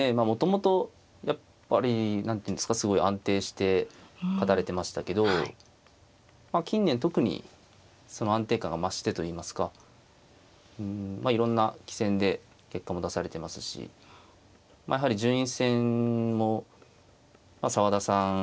もともとやっぱり何ていうんですかすごい安定して勝たれてましたけど近年特にその安定感が増してといいますかうんいろんな棋戦で結果も出されてますしやはり順位戦も澤田さん